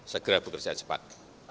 segera bekerja cepat